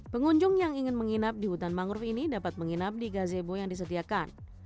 pengunjung yang ingin menginap di hutan mangrove ini dapat menginap di gazebo yang disediakan